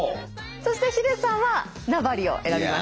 そしてヒデさんは名張を選びました。